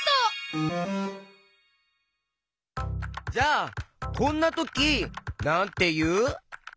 じゃあこんなときなんていう？